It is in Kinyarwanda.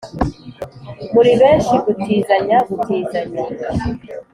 muri benshi, gutizanya gutizanya